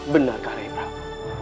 benarkah rai prabu